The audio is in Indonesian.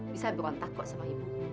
bisa berontak kok sama ibu